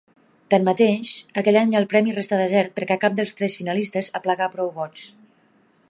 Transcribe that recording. Tanmateix, aquell any el premi restà desert perquè cap dels tres finalistes aplegà prou vots.